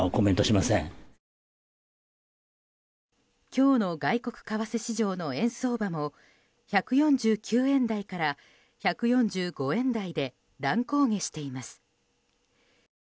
今日の外国為替市場の円相場も１４９円台から１４５円台で乱高下しています。